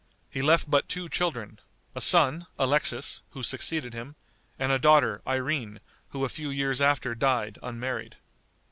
He left but two children a son, Alexis, who succeeded him, and a daughter, Irene, who a few years after died unmarried.